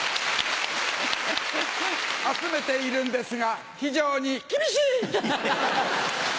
集めているんですが非常にキビシ！